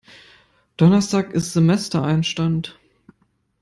Donnerstag ist Semestereinstand.